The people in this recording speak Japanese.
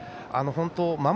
本当